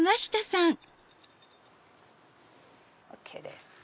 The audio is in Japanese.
ＯＫです。